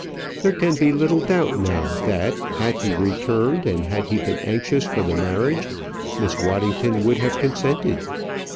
There can be little doubt now that had he returned, and had he been anxious for the marriage, Miss Waddington would have consented.